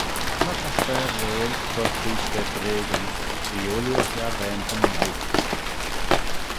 My ta fer-reill cur cleaysh da breagyn bee ooilley e harvaantyn olk.